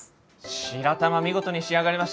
白玉見事に仕上がりましたね。